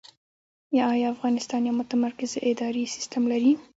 آیا افغانستان یو متمرکز اداري سیستم لري؟